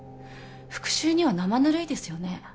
復讐には生ぬるいですよね